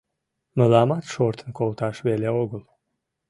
— Мыламат шортын колташ веле огыл».